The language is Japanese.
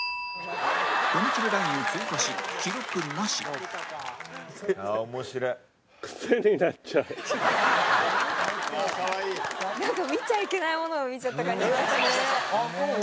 踏切ラインを通過し記録なし「かわいい」なんか見ちゃいけないものを見ちゃった感じしましたね。